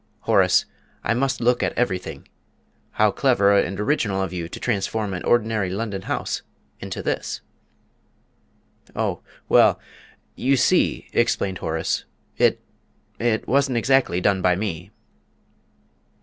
"Horace, I must look at everything. How clever and original of you to transform an ordinary London house into this!" "Oh, well, you see," explained Horace, "it it wasn't exactly done by me."